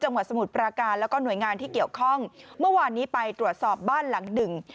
สมุทรปราการแล้วก็หน่วยงานที่เกี่ยวข้องเมื่อวานนี้ไปตรวจสอบบ้านหลังหนึ่ง